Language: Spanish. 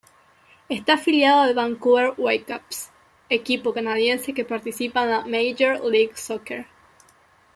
Está afiliado al Vancouver Whitecaps, equipo canadiense que participa en la Major League Soccer.